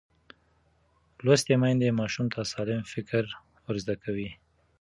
لوستې میندې ماشوم ته سالم فکر ورزده کوي.